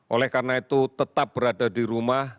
oleh karena itu tetap berada di rumah